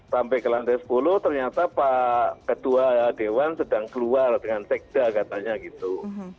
sampai ke lantai sepuluh ternyata pak ketua dewan sedang keluar dengan sekda katanya gitu